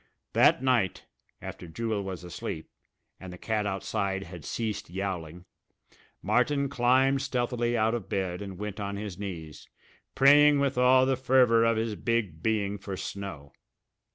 That night, after Jewel was asleep, and the cat outside had ceased yowling, Martin climbed stealthily out of bed and went on his knees, praying with all the fervour of his big being for snow.